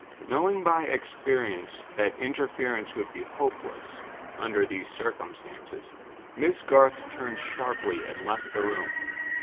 Knowing by experience that interference would be hopeless, under these circumstances, Miss Garth turned sharply and left the room.